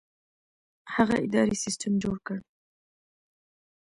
هغه اداري سیستم جوړ کړ.